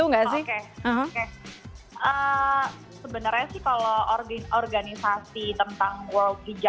nggak ada ya